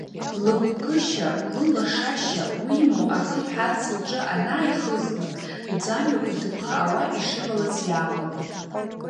Лыгәкышьа, лылашашьа, уимоу акы лҳәарц лҿы анааихылхлак, лӡамҩақәа ҭыԥхаауа ишыҟалац иааҟалон…